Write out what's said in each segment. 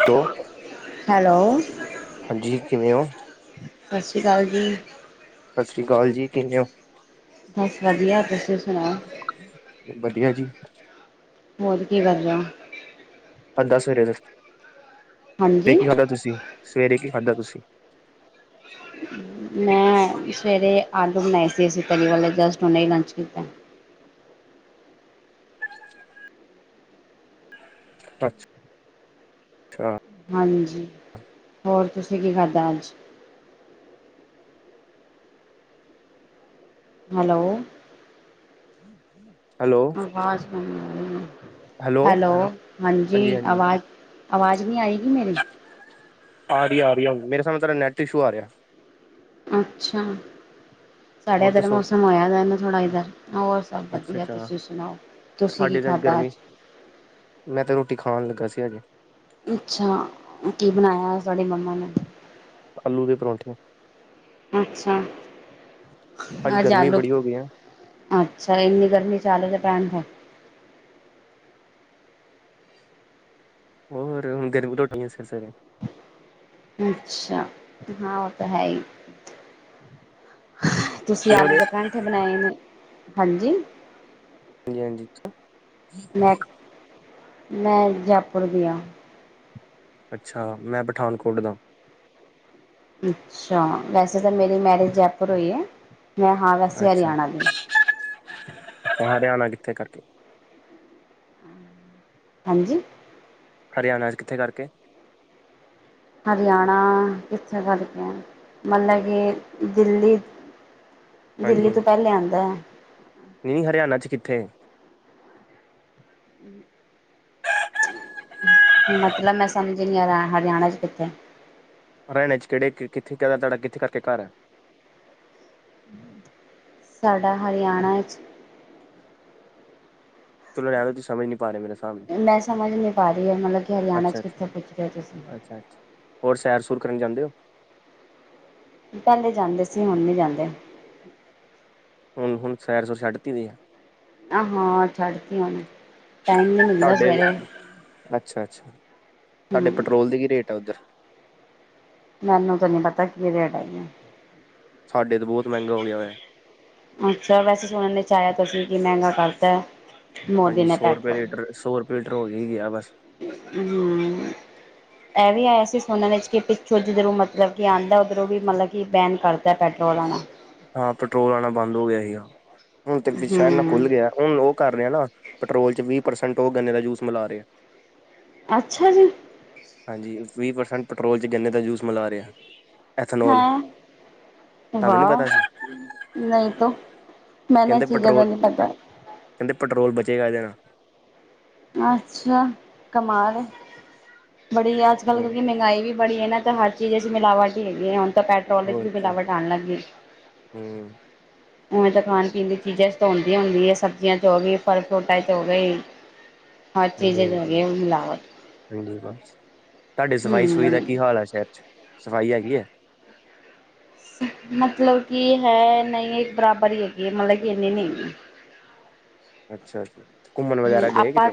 Hello hello- ਹਾਂਜੀ ਕਿਵੇ ਹੋ? ਸਸ ਸ਼੍ਰੀ ਅਕਾਲ ਜੀ। ਸਸ ਸ੍ਰੀ ਅਕਾਲ ਜੀ ਕਿਵੇ ਓ? ਬਸ ਵਧੀਆ ਤੁਸੀ ਸੁਣਾਓ ਵਧੀਆ ਜੀ- ਹੋਰ ਕੀ ਕਰਦਾ- ਪੰਦਰਾ ਸਵੇਰੇ ਦੇ ਹਾਂਜੀ, ਕੀ [inaudible] ਖਾਧਾ ਤੁਸੀਂ ਸਵੇਰੇ ਕੀ ਖਾਂਧਾ ਤੁਸੀਂ [unintelligible] ਮੈਂ ਸਵੇਰੇ ਆਲੂ ਬਣਾਏ ਸੀ। ਅਸੀਂ ਤਰੀ ਵਾਲੇ ਜਸਟ ਹੁਣੇ ਈ ਲੰਚ ਕੀਤਾ। ਅੱਛਾ। ਹਾਂਜੀ, ਹੋਰ ਤੁਸੀਂ ਕੀ ਖਾਧਾ ਅੱਜ ਹੈਲੋ ਹੈਲੋ ਹੈਲੋ, ਹਾਂਜੀ ਆਵਾਜ਼ ਆਵਾਜ਼ ਨੀ ਕੀ ਮੇਰੀ ਆ ਰਹੀ-ਆ ਰਹੀ ਆ। ਮੇਰੇ ਸਾਬ ਨਾਲ ਤੇਰਾ ਨੈੱਟ ਇਸ਼ੂ ਆ ਰਿਹਾ। ਅੱਛਾ। ਸਾਡੇ ਹੋਰ ਐਧਰ ਦੱਸੋ ਮੌਸਮ ਹੋਇਆ। ਇਹਨਾਂ ਸੋਹਣਾ ਇੱਧਰ ਹੋਰ ਸਭ ਅੱਛਾ ਵਧੀਆ ਅੱਛਾ ਤੁਸੀਂ ਸੁਣਾਓ? ਤੁਸੀਂ ਕੀ ਤੁਹਾਡੇ ਤਾਂ ਖਾਧਾ ਗਰਮੀ ਅੱਜ? ਮੈਂ ਤਾਂ ਰੋਟੀ ਖਾਣ ਲੱਗਾ ਸੀ। ਹਜੇ ਅੱਛਾ, ਕੀ ਬਣਾਇਆ ਅੱਜ ਤੁਆਡੀ ਮੰਮਾ ਨੇ? ਆਲੂ ਦੇ ਪਰੌਂਠੇ। ਅੱਛਾ ਅੱਜ ਗਰਮੀ ਆਲੂ ਬੜੀ ਹੋ ਗਈ ਆ ਅੱਛਾ ਏਨੀ ਗਰਮੀ ਚ ਆਲੂ ਦੇ ਪਰਾਠੇ ਹੋਰ ਹੁਣ ਤਿੰਨ ਵਜੇ ਉਠੇ ਸਵੇਰੇ-ਸਵੇਰੇ। ਅੱਛਾ ਹਾਂ ਉਹ ਤਾਂ ਹੈ ਹੀ ਤੁਸੀਂ ਆਲੂ ਦੇ ਹਾਂਜੀ ਪਰਾਂਠੇ ਬਣਾਏ ਨੇ ਹਾਂਜੀ ਜੀ-ਹਾਂਜੀ। ਮੈਂ ਮੈਂ ਜੈਪੁਰ ਦੀ ਆ। ਅੱਛਾ ਮੈਂ ਪਠਾਨਕੋਟ ਦਾ। ਅੱਛਾ ਵੈਸੇ ਤਾਂ ਮੇਰੀ ਮੈਰਿਜ ਜੈਪੁਰ ਹੋਈ ਹੈ ਮੈਂ ਹਾਂ ਵੈਸੇ ਅੱਛਾ ਹਰਿਆਣਾ ਦੀ। ਹਰਿਆਣਾ ਕਿੱਥੇ ਕਰਕੇ ਹਾਂਜੀ ਹਰਿਆਣਾ ਚ ਕਿੱਥੇ ਕਰਕੇ? ਹਰਿਆਣਾ ਕਿੱਥੇ ਕਰਕੇ, ਮਤਲਬ ਕਿ ਦਿੱਲੀ ਦਿੱਲੀ ਹਾਂਜੀ ਤੋਂ ਪਹਿਲੇ ਆਂਦਾ। ਨਹੀਂ ਹਰਿਆਣਾ ਚ ਕਿੱਥੇ? [inaudible] ਮਤਲਬ ਮੈਂ ਸਮਝੀ ਨਹੀ, ਹਰਿ ਹਰਿਆਣਾ ਚ ਕਿੱਥੇ? ਹਰਿਆਣੇ ਚ ਕਿਹੜੇ, ਕ ਕਿੱਥੇ ਤੁਹਾਡਾ ਕਿੱਥੇ ਕਰਕੇ ਘੱਰ ਐ? ਸਾਡਾ ਹਰਿਆਣਾ ਚ ਚਲੋ ਰਹਿਣ ਦੋ, ਤੁਸੀ ਸਮਝ ਨਹੀਂ ਪਾ ਰਹੇ ਮੇਰਾ ਸ ਮੈਂ ਸਮਝ ਨਹੀਂ ਪਾ ਰਹੀ, ਮਤਲਬ ਕਿ ਹਰਿਆਣਾ ਅੱਛਾ ਚ ਅੱਛਾ ਕਿੱਥੇ ਪੁੱਛਿਆ ਤੁਸੀਂ? ਅੱਛਾ ਅੱਛਾ ਹੋਰ, ਸੈਰ-ਸੂਰ ਕਰਨ ਜਾਂਦੇ ਓ? ਪਹਿਲੇ ਜਾਂਦੇ ਸੀ, ਹੁਣ ਨੀ ਜਾਂਦੇ। ਹੁਣ-ਹੁਣ, ਸੈਰ-ਸੂਰ ਛੱਡਤੀ ਹੋਈ ਏ। ਆਹ ਹਾਂ, ਛੱਡ ਤੀ ਹੁਣ, ਟਾਈਮ ਨੀ ਮਿਲਦਾ ਸਵੇਰੇ। ਅੱਛਾ-ਅੱਛਾ, ਤਾਡੇ ਹੂੰ ਪੈਟਰੋਲ ਦੇ ਕੀ ਰੇਟ ਆ, ਉੱਧਰ? ਮੈਨੂੰ ਤਾਂ ਨੀ ਪਤਾ, ਕੀ ਰੇਟ ਹੈਗੇ ਐ। ਸਾਡੇ ਤੇ ਬਹੁਤ ਮਹਿੰਗਾ ਹੋ ਗਿਆ ਹੋਯਾ। ਅੱਛਾ, ਵੈਸੇ ਸੁਣਨ ਚ ਆਇਆ ਤੇ ਸੀ, ਕਿ ਮਹਿੰਗਾ ਕਰਤਾ। ਮੋਦੀ ਹਾਂਜੀ ਨੇ ਸੌ ਰੁਪਏ ਲੀਟਰ, ਪੈਟਰੋਲ ਸੌ ਰੁਪਏ ਲੀਟਰ ਹੋ ਹੀ ਗਿਆ, ਬੱਸ। [inaudible] [inaudible] ਇਹ ਵੀ ਆਇਆ ਸੀ ਸੁਣਨ ਵਿੱਚ, ਕਿ ਪਿੱਛੋਂ ਜਿੱਧਰੋਂ, ਮਤਲਬ ਕਿ ਆਂਦਾ, ਉੱਧਰੋਂ ਵੀ ਮਤਲਬ ਕਿ ਬੈਨ ਕਰਤਾ ਪੈਟਰੋਲ ਆਣਾ। ਹਾਂ, ਪੈਟਰੋਲ ਆਣਾ ਬੰਦ ਹੋ ਗਿਆ ਸੀਗਾ, ਹੁਣ ਤੇ ਵਿਸ਼ਾ ਇੰਨਾ ਖੁੱਲ ਹੂੰ ਗਿਆ ਹੁਣ ਉਹ ਕਰ ਰਿਹਾ ਨਾ, ਪੈਟਰੋਲ ਚ ਵੀਹ ਪ੍ਰਸੈਂਟ ਉਹ ਗੰਨੇ ਦਾ ਜੂਸ ਮਿਲਾ ਰਹੇ। ਅੱਛਾ ਜੀ। ਹਾਂਜੀ, ਵੀਹ ਪ੍ਰਸੈਂਟ ਪੈਟਰੋਲ ਚ, ਗੰਨੇ ਦਾ ਜੂਸ ਮਿਲਾ ਰਿਹਾ। ਐਥਨੋਲ ਹੈਂ, ਤੁਹਾਨੂੰ ਨੀ ਵਾਹ, ਪਤਾ ਸੀ। ਨਹੀਂ ਤੋਂ ਕਹਿੰਦੇ ਪੈਟਰੋਲ, ਕਹਿੰਦੇ ਪੈਟਰੋਲ ਬਚੇਗਾ ਇਹਦੇ ਨਾਲ। ਅੱਛਾ, ਕਮਾਲ ਏ, ਬੜੀ ਅੱਜ-ਕੱਲ੍ਰ ਹੋਰ ਹੋਗੀ ਮਹਿੰਗਾਈ ਵੀ ਬੜੀ ਹੈ ਨਾ, ਤਾਂ ਹਰ ਚੀਜ਼ ਚ ਜਾਮਿਲਾਵਟ ਹੀ ਹੈਗੀ ਹੈ, ਹੁਣ ਤਾਂ ਪੈਟਰੋਲ ਵਿੱਚ ਹੋਰ ਵੀ ਕੀ ਮਿਲਾਵਟ ਆਣ ਲੱਗ ਗਈ। ਹੂੰ ਉਵੇਂ ਤਾਂ ਖਾਣ-ਪੀਣ ਦੀ ਚੀਜ਼ਾਂ ਚ ਤਾਂ ਹੁੰਦੀ ਹੀ ਹੁੰਦੀ ਏ ਸਬਜ਼ੀਆਂ ਚ ਹੋ ਗਈ ਫਲ-ਫਰੂਟਾਂ ਚ ਹੋ ਗਈ। ਹਰ ਚੀਜ਼ ਹਾਂਜੀ ਚ ਹੁੰਦੀ ਹਾਂਜੀ ਏ ਹੁਣ ਮਿਲਾਵਟ। ਹਾਂਜੀ ਬਸ, ਤੁਹਾਡੇ ਸਫ਼ਾਈ-ਸੁਫਾਈ ਹੂੰ। ਦਾ ਕੀ ਹਾਲ ਹੈ ਸ਼ਹਿਰ ਚ, ਸਫ਼ਾਈ ਹੈਗੀ ਏ ਮਤਲਬ ਕਿ ਹੈ, ਨਹੀਂ ਹੈ, ਇੱਕ ਬਰਾਬਰ ਹੀ ਹੈਗੀ ਏ, ਮਤਲਬ ਕਿ ਇੰਨੀ ਨਹੀਂ ਹੈਗੀ। ਅੱਛਾ ਘੁੰਮਣ ਵਗੈਰਾ ਗਏ ਆਪਾ ਕਿਤੇ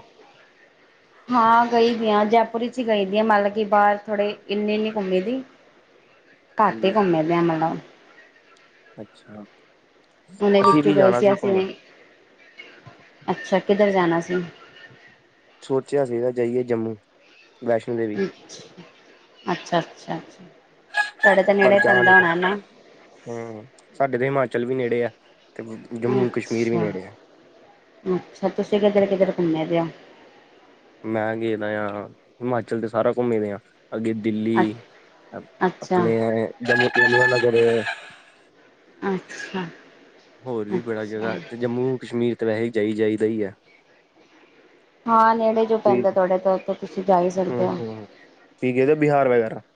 ਹਾਂ ਗਈ ਦੀ ਆ ਜੈਪੁਰ ਵਿੱਚ ਹੀ ਗਈ ਦੀ ਆ ਮਤਲਬ ਕਿ ਬਾਰ ਥੋੜੇ ਇੰਨੀ ਨੀ ਘੁੰਮੀ ਦੀ [inaudible] ਘਟ ਹੀ ਘੁੰਮੇ ਦੇ ਆ, ਮਤਲਬ ਅੱਛਾ। ਹੁਣੇ ਅਸੀਂ ਵਿੱਚੋਂ ਵੀ ਗਏ ਜਾਣਾ ਸੀ ਘੁੰਮਣ ਅਸੀਂ, [inaudible] ਅੱਛਾ, ਕਿੱਧਰ ਜਾਣਾ ਸੀ? ਸੋਚਿਆ ਸੀਗਾ, ਜਾਈਏ ਜੰਮੂ। ਵੈਸ਼ਨੋ ਦੇਵੀ [inaudible] ਅੱਛਾ-ਅੱਛਾ-ਅੱਛਾ ਅ। ਤੁਹਾਡੇ ਤੇ ਪਰ ਨੇੜੇ ਜਾ ਨੀ ਪੈਂਦਾ ਹੋਣਾ ਪਾਏ ਨਾ? ਹੂੰ ਸਾਡੇ ਤੇ ਹਿਮਾਚਲ ਵੀ ਨੇੜੇ ਆ ਤੇ ਜੰਮੂ ਕਸ਼ਮੀਰ ਵੀ ਅੱਛਾ, ਨੇੜੇ ਆ ਅੱਛਾ ਤੁਸੀਂ ਕਿੱਧਰ, ਕਿੱਧਰ ਘੁੰਮੇ ਦੇ ਓ ਮੈਂ ਗਏ ਦਾ ਆ ਹਿਮਾਚਲ ਤੇ ਸਾਰਾ ਕੁੰਮੇ ਦੇ ਆ ਅੱਗੇ ਦਿੱਲੀ ਅੱਛਾ, ਅੱਛਾ, ਆਪਣੇ ਜੰਮੂ ਕਸ਼ਮੀਰ ਨਗਰ ਅੱਛਾ ਹੋਰ ਵੀ ਬੜਾ ਜਗ੍ਹਾ ਤੇ ਜੰਮੂ ਕਸ਼ਮੀਰ ਤਾਂ ਵੈਸੇ ਜਾਈ ਜਾਈਦਾ ਆ ਹਾਂ ਨੇੜੇ ਜੋ ਪੈਂਦਾ ਤੁਆਡੇ ਤੋਂ ਉਥੇ ਤੁਸੀਂ ਜਾ ਈ ਹਮ ਸਕਦੇ ਓ ਹਮ ਤੁਸੀਂ ਗਏ ਦੇ ਹੋ ਬਿਹਾਰ ਵਗੈਰਾ [unintelligible]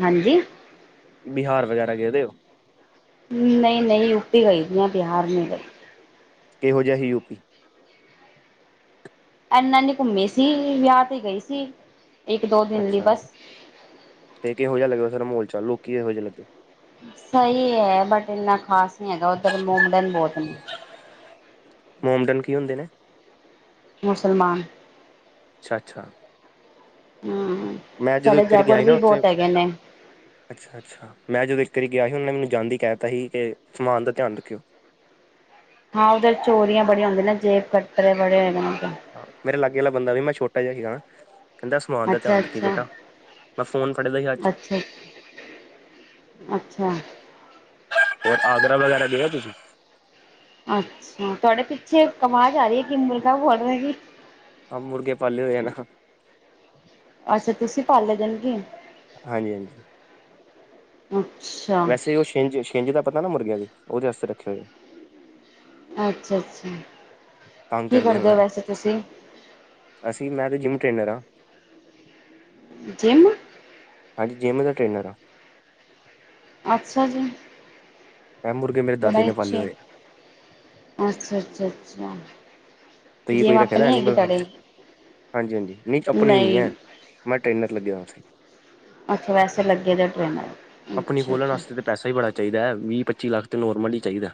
ਹਾਂਜੀ ਬਿਹਾਰ ਵਗੈਰਾ ਗਏ ਦੇ ਓ? ਨਈ-ਨਈ ਯੂਪੀ ਗਈ ਦੀਆ ਬਿਹਾਰ ਨੀਂ ਗਈ ਕਿਹੋ ਜਿਹਾ ਹੀ ਯੂਪੀ ਇਨਾ ਨੀ ਘੁੰਮੀ ਸੀ ਵਿਆਹ ਤੇ ਗਈ ਸੀ। ਇੱਕ ਦੋ ਦਿਨ ਲਈ ਅੱਛਾ ਬਸ। ਤੇ ਕੇਹੋ ਜੇਹਾ ਲੱਗਦਾ, ਫੇਰ ਮੋਲ ਚਾਲ ਲੋਕੀ ਕੇਹੋ ਜੇ ਲੱਗੇ ਸਈ ਹੈ, ਬਟ ਇੰਨਾ ਖਾਸ ਨੀ ਹੈਗਾ ਉੱਧਰ ਮੋਡਨ ਬੋਤ ਨੇ ਮੋਮਡਨ ਕੀ ਹੁੰਦੇ ਨੇ? ਮੁਸਲਮਾਨ ਅੱਛਾ, ਅੱਛਾ ਹਾਂ ਮੈਂ ਜਦੋਂ ਸਾਡੇ ਇੱਕ ਵਾਰੀ ਗਿਆ ਜੈਪੁਰ ਸੀ ਨਾ ਵੀ ਉੱਥੇ ਬੋਤ ਹੈਗੇ ਨੇ ਅੱਛਾ, ਅੱਛਾ ਮੈਂ ਜਦੋਂ ਇੱਕ ਵਾਰੀ ਗਿਆ ਸੀ, ਓਨਾਂ ਨੇ ਮੈਨੂੰ ਜਾਂਦੇ ਹੀ ਕਹ ਦਿੱਤਾ ਸੀ ਕਿ ਸਮਾਨ ਦਾ ਧਿਆਨ ਰੱਖਿਓ ਹਾਂ ਉਧਰ ਚੋਰੀਆਂ ਬੜੀਆਂ ਹੁੰਦੀਆਂ ਨੇ ਨਾ, ਜੇਬ ਕੱਟਰੇ ਬੜੇ ਹੋਏ ਨੇ ਹਾਂ ਮੇਰੇ ਲਾਗੇ ਵਾਲਾ ਬੰਦਾ ਵੀ ਮੈਂ ਛੋਟਾ ਜਿਹਾ ਸੀਗਾ। ਕਹਿੰਦਾ ਸਮਾਨ ਦਾ ਧਿਆਨ ਰੱਖੀ ਅੱਛਾ-ਅੱਛਾ, ਬੇਟਾ, ਮੈਂ ਫੋਨ ਫੜਿਆ ਦਾ ਹੱਥ ਚ ਅੱਛਾ, ਅੱਛਾ ਹੋਰ ਆਗਰਾ ਵਗੈਰਾ ਦੇਖਿਆ ਤੁਸੀਂ? ਅੱਛਾ, ਤੁਆਡੇ ਪਿੱਛੇ ਇਕ ਅਵਾਜ ਆ ਰੀ ਹੈ ਕਿ [unintelligible] ਆਹ ਮੁਰਗੇ ਪਾਲੇ ਹੋਏ ਆ ਨਾ ਅੱਛਾ, ਤੁਸੀਂ ਪਾਲੇ ਦੇ ਨੇ ਕੀ ਹਾਂਜੀ, ਹਾਂਜੀ ਅੱਛਾ ਵੈਸੇ ਉਹ ਛਿੰਜ-ਛਿੰਜ ਦਾ ਪਤਾ ਨਾ ਮੁਰਗੇ ਆ ਦੀ ਉਹਦੇ ਆਸਤੇ ਰੱਖੇ ਓਏ ਅੱਛਾ, ਅੱਛਾ ਤੰਗ ਕਰਦੇ ਹੋਏ, ਅਸੀਂ ਮੈਂ ਤੇ ਜਿੰਮ ਟ੍ਰੇਨਰ ਹਾਂ ਜਿਮ ਹਾਂਜੀ, ਜਿੰਮ ਦਾ ਟ੍ਰੇਨਰ ਆ ਅੱਛਾ ਜੀ ਪੈਂਮੂ [unintelligible] ਬੜੇ ਅੱਛੇ, ਅੱਛਾ-ਅੱਛਾ-ਅੱਛਾ ਤੁ ਜਿਮ ਕੋਈ ਰੱਖੇ ਦਾ ਆਪਣੀ ਹੈਗੀ ਐਨੀਮਲ ਤੁਹਾਡੇ ਹਾਂਜੀ-ਹਾਂਜੀ ਨਹੀਂ ਆਪਣੀ ਨੀ ਨਹੀਂ ਹੈ। ਮੈਂ ਟਰੇਨਰ ਲੱਗਿਆ ਓਥੇ। ਅੱਛਾ ਵੈਸੇ ਲੱਗੇ ਦੇ ਟਰੇਨਰ ਆਪਣੀ ਖੋਲਣ ਅੱਛਾ-ਅੱਛਾ। ਵਾਸਤੇ ਤਾਂ ਪੈਸਾ ਹੀ ਬੜਾ ਚਾਹੀਦਾ, ਵੀਹ-ਪੱਚੀ ਲੱਖ ਤਾਂ ਨੋਰਮਲ ਹੀ ਚਾਹੀਦਾ।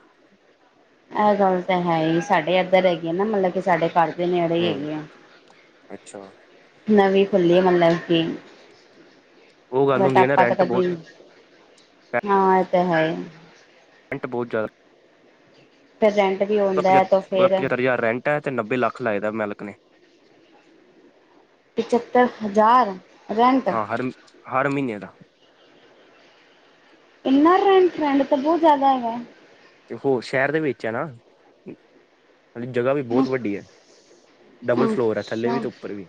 ਇਹ ਗੱਲ ਤਾਂ ਹੈ ਹੀ ਸਾਡੇ ਇੱਧਰ ਹੈਗੀ, ਆ ਨਾ ਮਤਲਬ ਕਿ ਸਾਡੇ ਘਰ। ਦੇ ਨੇੜੇ ਹੀ ਹੂੰ ਹੈਗੇ ਆ ਅੱਛਾ ਨਵੀਂ ਖੁੱਲੀ ਮਤਲਬ ਕਿ। ਉਹ ਗੱਲ ਹੁੰਦੀ ਹੈ ਨਾ ਅਪਾ ਤਾ ਰੈਂਟ ਕਦੀ ਬਹੁਤ ਹਾਂ ਇਹ ਤਾਂ ਹੈ। ਰੈਂਟ ਬੋਤ ਜ਼ਾਦਾ ਪ੍ਰਜੈਂਟ ਵੀ ਉਹ ਉਹਦਾ ਪਚੱਤਰ ਹਜ਼ਾਰ ਰੈਂਟ ਐ ਤੇ ਨੱਬੇ ਲੱਖ ਲੱਗਦਾ ਮਲਕ ਨੇ। ਪਚੱਤਰ ਹਜ਼ਾਰ! ਰੈਂਟ ਹਾਂ ਹਰ, ਹਰ ਮਹੀਨੇ ਦਾ। ਇੰਨਾ ਰੈਂਟ ਰੈਂਟ ਤਾਂ ਬਹੁਤ ਜਿਆਦਾ ਹੈਗਾ। ਉਹ ਸ਼ਹਿਰ ਦੇ ਵਿੱਚ ਐ ਨਾ। ਜਗ੍ਹਾ ਵੀ ਬਹੁਤ ਵੱਡੀ ਹੈ। ਡਬਲ ਫਲੋਰ ਹੈ ਥੱਲੇ ਵੀ ਅੱਛਾ ਤੇ ਉੱਪਰ ਵੀ।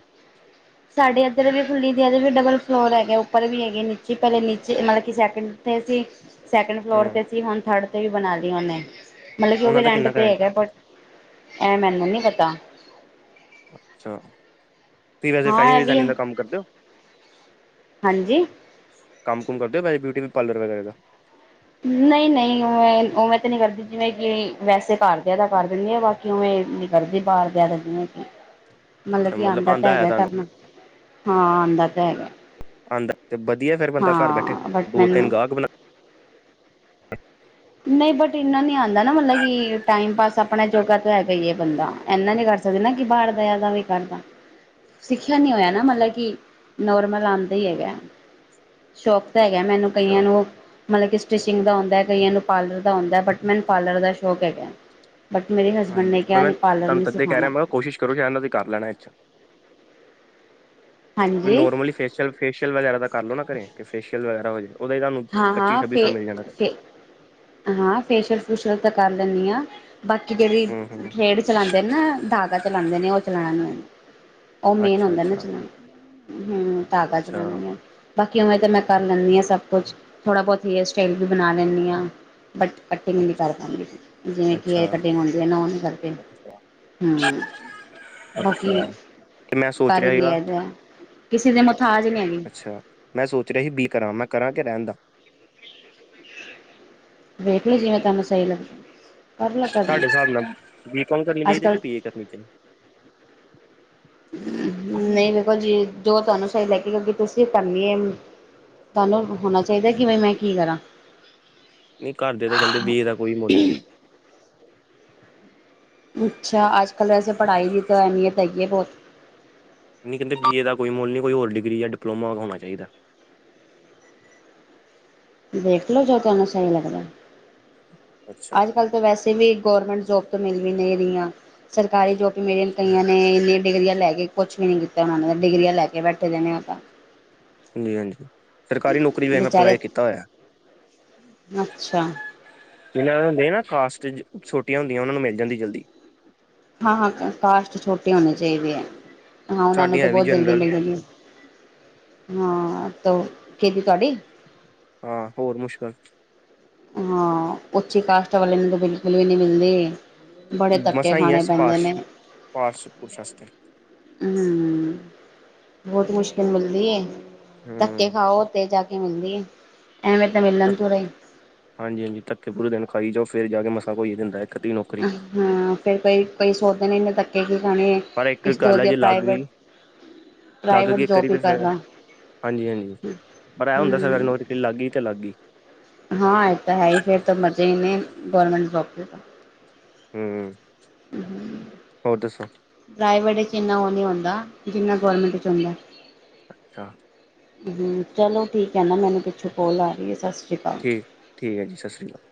ਸਾਡੇ ਇੱਧਰ ਵੀ ਖੁੱਲੀ ਦੀ ਇਹਦੇ ਵੀ ਡਬਲ ਫਲੋਰ ਹੈਗੇ ਉਪਰ ਵੀ ਹੈਗੇ, ਨੀਚੇ ਪਹਿਲੇ ਨੀਚੇ ਮਤਲਬ ਕਿ ਸੈਕਿੰਡ ਤੇ ਅਸੀਂ ਸੈਕਿੰਡ ਫਲੋਰ ਹਮ ਤੇ ਸੀ ਹੁਣ ਥਰਡ ਤੇ ਵੀ ਬਣਾ ਲਈ ਉਹਨੇ, ਮਤਲਬ ਕਿ ਉਹ ਵੀ ਉਹਨਾਂ ਦਾ ਰੈਂਟ ਕਿੰਨਾ ਤੇ ਕਰੰਟ ਹੈਗਾ ਬਟ ਐਂ ਮੈਨੂੰ ਨੀ ਪਤਾ। ਅੱਛਾ, ਤੁਸੀਂ ਵੈਸੇ ਹਾਂ ਇਹ ਵੀ [unintelligible] ਦਾ ਕੰਮ ਕਰਦੇ ਓ? ਹਾਂਜੀ? ਕੰਮ ਕੁਮ ਕਰਦੇ ਹੋ ਵੈਸੇ ਬਿਊਟੀ ਪਾਰਲਰ ਵਗੈਰਾ ਦਾ? ਨਹੀਂ-ਨਹੀਂ ਉਵੇਂ ਤਾਂ ਨਹੀਂ ਕਰਦੀ ਜਿਵੇਂ ਕਿ ਵੈਸੇ ਘਰਦਿਆ ਦਾ ਕਰ ਦਿੰਦੀ ਆ ਬਸ। ਉਹ ਮੈਂ ਇਹ ਨੀ ਕਰਦੀ ਬਾਹਰ ਇਜਾਜ਼ਤ ਨੀ ਹੈਗੀ। [inaudible] ਮਤਲਬ ਕੀ ਆਂਦਾ ਤਾਂ ਆਉਂਦਾ ਹੈ ਹੈਗਾ ਤੁਹਾਨੂੰ ਕਰਨਾ, ਹਾਂ ਆਂਦਾ ਤਾਂ ਹੈਗਾ। ਆਂਦਾ ਤੇ ਵਧੀਆ ਫੇਰ ਬੰਦਾ ਘਰ ਬੈਠੇ ਹਾਂ ਬਟ ਦੋ-ਤਿੰਨ ਮੈਨੂੰ ਗਾਹਕ ਬਣਾ ਨਹੀਂ ਬਟ ਇੰਨਾ ਨੀ ਆਂਦਾ ਨਾ ਮਤਲਬ ਕਿ ਟਾਈਮ ਪਾਸ ਆਪਣਾ ਜੋਗਾ ਹੈਗਾ ਈ ਏ ਬੰਦਾ, ਇਨਾ ਨੀ ਕਰ ਸਕਦੇ ਨਾ ਕਿ ਬਾਹਰ ਦਿਆ ਦਾ ਵੀ ਕਰਦਾ। ਸਿੱਖਿਆ ਨੀ ਹੋਇਆ ਨਾ ਅੱਛਾ ਮਤਲਬ ਕਿ, ਨੌਰਮਲ ਆਂਦਾ ਹੀ ਹੈਗਾ। ਸ਼ੌਕ ਤਾਂ ਹੈਗਾ ਮੈਨੂੰ ਕਈਆਂ ਅੱਛਾ ਨੂੰ, ਮਤਲਬ ਕਿ ਸਟਿਚਿੰਗ ਦਾ ਹੁੰਦਾ ਕਈਆਂ ਨੂੰ ਪਾਰਲਰ ਦਾ ਹੁੰਦਾ ਬਟ ਮੈਨ ਪਾਰਲਰ ਦਾ ਸ਼ੌਕ ਹੈਗਾ। ਬਟ ਮੇਰੇ ਹਸਬੈਂਡ ਹਾਂਜੀ ਨੇ ਮੈਂ ਕਿਹਾ ਮੈਂ ਨਹੀ ਪਾਰਲਰ ਤੁਹਾਨੂੰ ਨਹੀਂ ਤਦੇ ਕਹਿ ਸਿਖਾਣਾ। ਰਿਹਾ ਮੈਂ ਕਿਹਾ ਕੋਸ਼ਿਸ਼ ਕਰੋ ਜੇ ਉਹਨਾਂ ਦੇ ਕਰ ਲੈਣਾ। ਵੀ ਹਾਂਜੀ ਨੋਰਮਲੀ ਫੈਸ਼ੀਅਲ ਫੇਸ਼ੀਅਲ ਵਗੈਰਾ ਕਰ ਲੋ ਨਾ ਘਰੇ, ਕਿ ਫੇਸ਼ੀਅਲ ਵਗੈਰਾ ਹੋ ਜਾਵੇ ਉਹਦਾ ਹੀ ਤੁਹਾਨੂੰ ਹਾਂ ਹਾਂ ਪੱਚੀ-ਛੱਬੀ ਫੇ ਸੌ ਮਿਲ ਜਾਣਾ। ਫੇ ਹਾਂ ਫੇਸ਼ੀਅਲ-ਫੁਸ਼ੀਅਲ ਤਾਂ ਕਰ ਲੈਂਦੀ ਹਾਂ ਬਾਕੀ ਜਿਹੜੀ, ਹਮ ਹਮ ਹੇਰ ਚਲਾਉਂਦੇ ਨੇ ਨਾ ਧਾਗਾ ਚਲਾਂਦੇ ਨੇ ਉਹ ਚਲਾਣਾ ਨੂੰ ਉਹ ਮੇਨ ਅੱਛਾ ਹੁੰਦਾ ਨਾ ਅੱਛਾ ਚਲਾਣਾ, ਹੂੰ ਧਾਗਾ ਚਲਾਉਣਾ ਨੀ ਆਉਂਦਾ। ਅੱਛਾ ਬਾਕੀ ਉਵੇਂ ਤਾਂ ਮੈਂ ਕਰ ਲੈਂਨੀ ਹਾਂ ਸਭ ਕੁਛ, ਥੋੜ੍ਹਾ ਬਹੁਤ ਹੇਅਰ ਸਟਾਈਲ ਵੀ ਬਣਾ ਲੈਂਨੀ ਆ ਬਟ ਕਟਿੰਗ ਨਹੀਂ ਕਰ ਪਾਂਦੀ, ਜਿਵੇਂ ਕਿ ਅੱਛਾ। ਇਹ ਕਟਿੰਗ ਹੁੰਦੀ ਹੈ ਨਾ ਉਹ ਨਹੀਂ ਕਰਦੇ। ਹੂੰ ਬਾਕੀ ਅੱਛਾ ਤੇ ਮੈਂ ਸੋਚ ਕਰ ਹੀ ਰਿਹਾ ਸੀਗਾ। ਲਿਆ ਦਾ ਕਿਸੇ ਦੇ ਮੁਥਾਜ ਨਹੀਂ ਹੈਗੇ। ਅੱਛਾ, ਮੈਂ ਸੋਚ ਰਿਹਾ ਸੀ ਬੀ ਕਰਾਂ ਮੈਂ ਕਰਾਂ ਕਿ ਰਹਿਣ ਦਾ? ਵੇਖਲੋ ਜਿਵੇ ਤੁਹਾਨੂੰ ਸਹੀ ਲੱਗੇ। ਕਰ ਲਓ ਕਰ ਲਓ ਸਾਡੇ ਹਿਸਾਬ ਨਾਲ, ਬੀ ਕੌਮ ਕਰਨੀ ਅੱਜ ਚਾਹੀਦੀ ਏ ਕਿ ਕੱਲ੍ਹ ਬੀ ਏ ਕਰਨੀ ਚਾਹੀਦੀ? ਹੂੰ ਨਹੀਂ ਵੇਖੋ ਜੀ ਜੋ ਤੁਹਾਨੂੰ ਸਹੀ ਲੈ ਕੇ ਕਿਉਂਕਿ ਤੁਸੀਂ ਕਰਨੀ ਏ ਤੁਹਾਨੂੰ ਹੋਣਾ ਚਾਹੀਦਾ ਕਿ ਕਿਵੇਂ ਮੈਂ ਕੀ ਕਰਾਂ। ਨਹੀਂ ਘਰਦੇ ਤੇ ਕਹਿੰਦੇ ਬੀ ਏ ਦਾ ਕੋਈ ਮੁੱਲ ਨਹੀਂ। ਅੱਛਾ ਅਜਕੱਲ ਵੈਸੇ ਪੜ੍ਹਾਈ ਦੀ ਤਾਂ ਅਹਿਮੀਅਤ ਹੈਗੀ ਏ ਬਹੁਤ। ਨਹੀਂ ਕਹਿੰਦੇ ਬੀ ਏ ਦਾ ਕੋਈ ਮੁੱਲ ਨਹੀਂ ਕੋਈ ਹੋਰ ਡਿਗਰੀ ਜਾਂ ਡਿਪਲੋਮਾ ਹੋਣਾ ਚਾਹੀਦਾ। ਦੇਖਲੋ ਜੋ ਤੈਨੂੰ ਸਹੀ ਲੱਗਦਾ। ਅੱਛਾ ਅੱਜਕੱਲ ਵੈਸੇ ਵੀ ਗੌਰਮੈਂਟ ਜੋਬ ਤੋਂ ਮਿਲ ਵੀ ਨਹੀਂ ਰਹੀਆਂ, ਸਰਕਾਰੀ ਜੋਬ ਵੀ ਮੇਰੀ ਕਈਆਂ ਹਾਂਜੀ ਨੇ ਇੰਨੇ ਡਿਗਰੀਆਂ ਲੈ ਕੇ ਕੁਛ ਵੀ ਨਹੀਂ ਕੀਤਾ ਉਹਨਾਂ ਨੇ ਡਿਗਰੀਆਂ ਲੈ ਕੇ ਬੈਠੇ ਦੇ ਨੇ ਆਪਾਂ। ਹਾਂਜੀ-ਹਾਂਜੀ, ਸਰਕਾਰੀ ਨੌਕਰੀ ਲਈ ਵੀ ਮੈਂ ਵਿਚਾਰੇ ਅਪਲਾਈ ਕੀਤਾ ਹੋਇਆ। ਅੱਛਾ ਜਿਨਾਂ ਦੇ ਹੁੰਦੇ ਨਾ ਕਾਸਟ, ਛੋਟੀਆਂ ਹੁੰਦੀਆਂ ਉਹਨਾਂ ਨੂੰ ਮਿਲ ਜਾਂਦੀ ਜਲਦੀ। ਹਾਂ-ਹਾਂ ਕਾਸਟ ਛੋਟੀ ਹੋਣੀ ਚਾਹੀਦੇ ਹੈ, ਹਾਂ ਉਹਨਾਂ ਨੂੰ ਸਾਡੀਆਂ ਤਾਂ ਹੈ ਵੀ ਬਹੁਤ ਜਲਦੀ ਜਨਰਲ ਮਿਲ ਜਾਂਦੀਆ। ਹਾਂ, ਉਹ ਕਿਦੀ ਤੁਹਾਡੀ ਹਾਂ ਹੋਰ ਮੁਸ਼ਕਿਲ। ਹਾਂ, ਉੱਚੀ ਕਾਸ਼ਟ ਵਾਲਿਆ ਨੂੰ ਤਾਂ ਬਿਲਕੁਲ ਵੀ ਨਹੀਂ ਮਿਲਦੀ। ਬੜੇ ਧੱਕੇ ਖਾਣੇ ਪੈਂਦੇ ਨੇ। ਪਾਰਸ ਪੁਰਸ਼ਸਤੇ। ਹੂੰ, ਬਹੁਤ ਮੁਸ਼ਕਿਲ ਮਿਲਦੀ ਧੱਕੇ ਹਮ ਖਾਓ ਤੇ ਜਾਕੇ ਮਿਲਦੀ ਆ ਅਹਿਮਅਤ ਮਿਲਣ ਤ ਰਹੀ, ਹਾਂਜੀ-ਹਾਂਜੀ, ਧੱਕੇ ਪੂਰੇ ਦਿਨ ਖਾਈ ਜਾਓ ਫਿਰ ਜਾ ਕੇ ਮਸਾਂ ਕੋਈ ਦਿੰਦਾ ਇੱਕ ਦਿਨ, ਹਾਂ ਫੇਰ ਕੋਈ ਕੋਈ ਸੋਚਦੇ ਨੇ ਇਨੇ ਧੱਕੇ ਕਿਓ ਖਾਣੇ, ਪਰ ਇੱਕ ਇਸ ਤੋਂ ਗੱਲ ਆ ਵਧੀਆ ਜੇ ਅਲੱਗ ਪ੍ਰਾਈਵੇਟ ਗਈ। ਲੱਗ ਪ੍ਰਾਈਵੇਟ ਕੇ ਇੱਕਾਰੀ ਜੋਬ ਹੀ ਤੇ ਕਰ ਫਿਰ, ਲਾਂ ਹਾਂਜੀ, ਹਾਂਜੀ ਪਰ ਇਹ ਹੁੰਦਾ ਸਵੇਰ ਹੂੰ ਨੂੰ, ਲੱਗਈ ਹੀ ਤੇ ਲੱਗਈ, ਹਾਂ, ਇਹ ਤਾਂ ਹੈ ਹੀ ਫੇਰ ਤਾਂ ਮਜ਼ੇ ਹੀ ਨੇ ਗਵਰਮੈਂਟ ਜੌਬ ਹੂੰ, ਹੋਰ ਦੱਸੋ? ਪ੍ਰਾਈਵੇਟ ਚ ਇੰਨਾ ਉਹ ਨ ਹੁੰਦਾ ਜਿੰਨਾ ਗਰਮੈਂਟ ਚ ਹੁੰਦਾ। ਅੱਛਾ, ਚਲੋ ਠੀਕ ਹੈ ਨਾ ਮੈਨੂੰ ਪਿੱਛੋਂ ਕੋਲ ਆ ਰਹੀ ਹੈ ਸਤਿ ਸ਼੍ਰੀ ਅਕਾਲ। ਠੀਕ ਠੀਕ ਹੈ ਜੀ ਸਤਿ ਸ਼੍ਰੀ ਅਕਾਲ